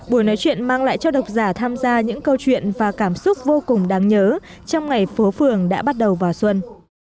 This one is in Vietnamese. buổi nói chuyện mang lại cho độc giả tham gia những câu chuyện và cảm xúc vô cùng đáng nhớ trong ngày phố phường đã bắt đầu vào xuân